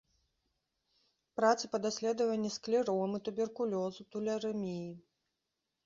Працы па даследаванні склеромы, туберкулёзу, тулярэміі.